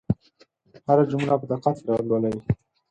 هره جمله په دقت سره لولئ.